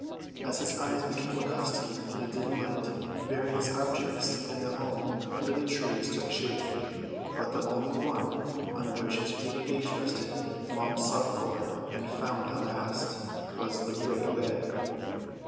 As his eyes became accustomed to the dim light various objects in the home under the trees took shape; but the only one on which his greedy gaze rested, long sought for and found at last, was the great bed.